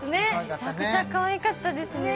めちゃくちゃかわいかったです